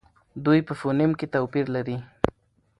دوی په فونېم کې توپیر لري.